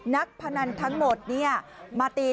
นักพนันทั้งหมดเนี่ยมาตี